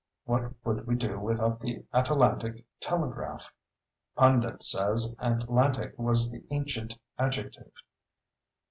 What would we do without the Atalantic telegraph? (Pundit says Atlantic was the ancient adjective.)